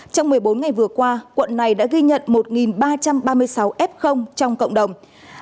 trong một mươi bốn ngày vừa qua quận này đã ghi nhận một ba trăm ba mươi sáu f trong cộng đồng